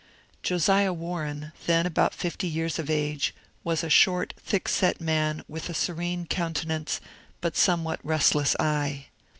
Josiah Warren, then about fifty years of age, was a short, thick set man with a serene countenance but somewhat rest less eye.